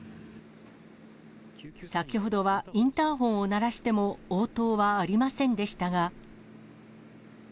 先ほどはインターホンを鳴らしても応答はありませんでしたが。